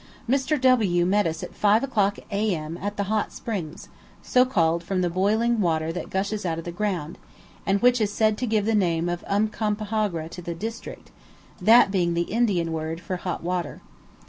Mr. W met us at 5 o'clock A.M. at the "Hot Springs," so called from the boiling water that gushes out of the ground, and which is said to give the name of "Uncompahgre" to the district, that being the Indian word for hot water.